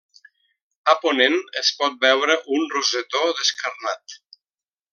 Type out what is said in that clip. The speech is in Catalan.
A ponent es pot veure un rosetó descarnat.